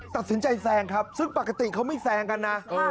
ตัดสินใจแซงครับซึ่งปกติเขาไม่แซงกันนะ